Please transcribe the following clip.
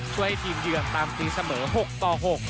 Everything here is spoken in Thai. ช่วยให้ทีมเยือนตามตีเสมอ๖ต่อ๖